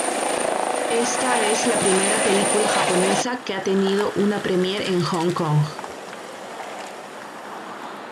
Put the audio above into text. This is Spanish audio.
Ésta es la primera película japonesa que ha tenido una premier en Hong Kong.